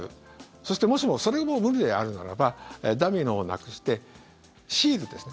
そして、もしもそれも無理であるならばダミーのほうをなくしてシールですね